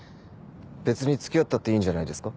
別に付き合ったっていいんじゃないですか？